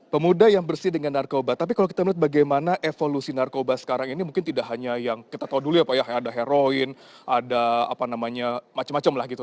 pemuda yang bersih dengan narkoba tapi kalau kita melihat bagaimana evolusi narkoba sekarang ini mungkin tidak hanya yang kita tahu dulu ya pak ya ada heroin ada apa namanya macam macam lah gitu